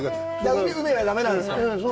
海がだめなんですか？